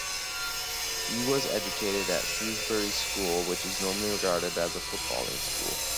He was educated at Shrewsbury School, which is normally regarded as a footballing school.